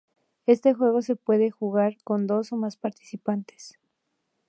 Este juego se puede jugar con dos o más participantes.